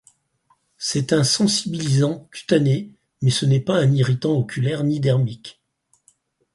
C'est un sensibilisant cutané mais ce n'est pas un irritant oculaire ni dermique.